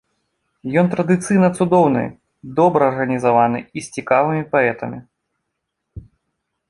Ён традыцыйна цудоўны, добра арганізаваны і з цікавымі паэтамі.